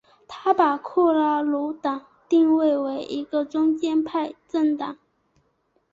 他把库拉努党定位为一个中间派政党。